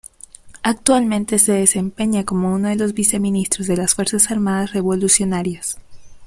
Actualmente se desempeña como uno de los Viceministros de las Fuerzas Armadas Revolucionarias.